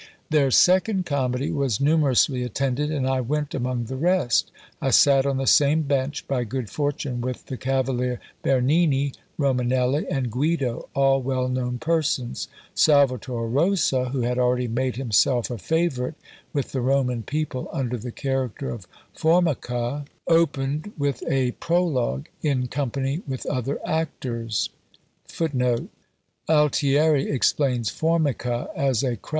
"Their second comedy was numerously attended, and I went among the rest; I sat on the same bench, by good fortune, with the Cavalier Bernini, Romanelli, and Guido, all well known persons. Salvator Rosa, who had already made himself a favourite with the Roman people, under the character of Formica opened with a prologue, in company with other actors.